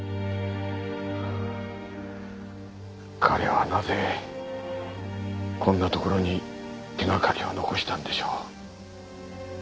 彼はなぜこんなところに手掛かりを残したんでしょう？